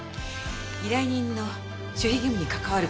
依頼人の守秘義務に関わる事だから。